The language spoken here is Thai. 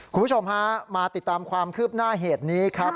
คุณผู้ชมฮะมาติดตามความคืบหน้าเหตุนี้ครับ